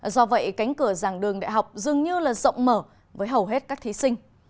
do vậy cánh cửa dàng đường đại học dường như rộng mở với hầu hết các thí sinh